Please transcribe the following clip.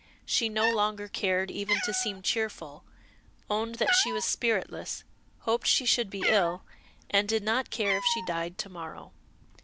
She no longer cared even to seem cheerful, owned that she was spiritless, hoped she should be ill, and did not care if she died to morrow.